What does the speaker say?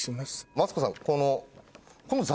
マツコさん。